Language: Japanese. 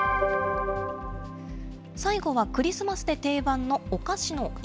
最後はクリスマスで定番のお菓子の家。